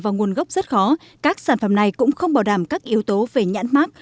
và nguồn gốc rất khó các sản phẩm này cũng không bảo đảm các yếu tố về nhãn mát